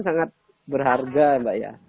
sangat berharga mbak ya